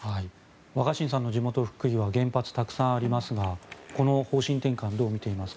若新さんの地元・福井は原発、たくさんありますがこの方針転換をどう見ていますか。